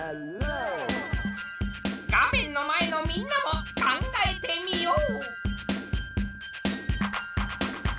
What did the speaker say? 画面の前のみんなも考えてみよう！